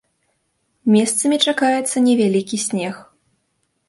Месцамі чакаецца невялікі снег.